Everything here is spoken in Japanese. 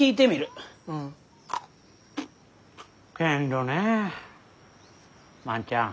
けんどね万ちゃん。